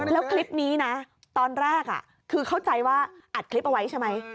แล้วคลิปนี้นะตอนแรกคือเข้าใจว่าอัดคลิปเอาไว้ใช่ไหม